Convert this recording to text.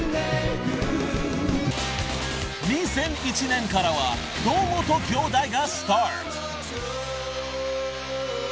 ［２００１年からは『堂本兄弟』がスタート］